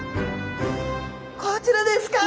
こちらですか。